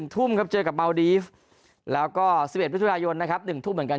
ทุ่มครับเจอกับเมาดีฟแล้วก็๑๑มิถุนายนนะครับ๑ทุ่มเหมือนกัน